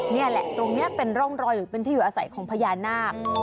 นี่แหละตรงนี้เป็นร่องรอยหรือเป็นที่อยู่อาศัยของพญานาค